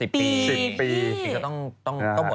๑๐ปีอีกก็ต้องหมดแล้วล่ะใช่ไหม